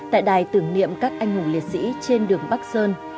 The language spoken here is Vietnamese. tại đài tưởng niệm các anh hùng liệt sĩ trên đường bắc sơn